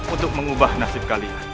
untuk mengubah nasib kalian